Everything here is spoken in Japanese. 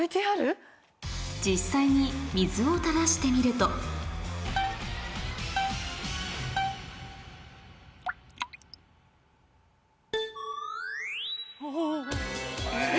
実際に水を垂らしてみるとえ！